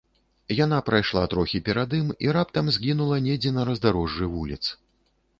Яна прайшла трохі перад ім і раптам згінула недзе на раздарожжы вуліц.